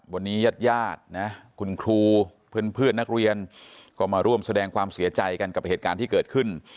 วันนี้ญาติญาตินะคุณครูเพื่อนนักเรียนก็มาร่วมแสดงความเสียใจกันกับเหตุการณ์ที่เกิดขึ้น